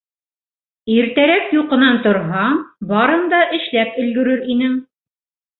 Иртәрәк йоҡонан торһаң, барын да эшләп өлгөрөр инең.